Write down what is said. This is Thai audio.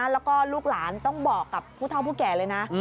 แล้วก็ลูกหลานต้องบอกกับผู้เท่าผู้แก่เลยนะ